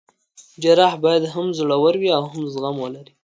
جراح باید هم زړه ور وي او هم زغم ولري.